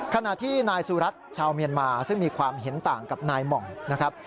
ขณะที่นายสุรัตน์ชาวเมียนมาซึ่งมีความเห็นต่างกับนายหม่องนะครับ